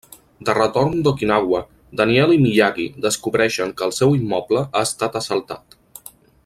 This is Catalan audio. De retorn d'Okinawa, Daniel i Miyagi descobreixen que el seu immoble ha estat assaltat.